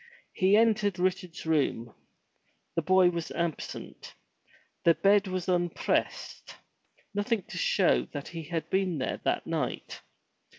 He entered Richard's room. The boy was absent. The bed was unpressed, nothing to show that he had been there that night.